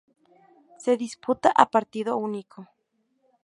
Se disputa a partido único.